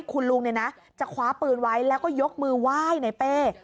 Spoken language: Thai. คุณลุงจะคว้าปืนไว้แล้วก็ยกมือไหว้ในเป้